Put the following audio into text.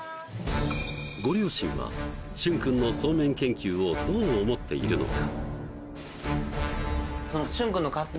ご両親はＳｈｕｎ君のそうめん研究をどう思っているのか？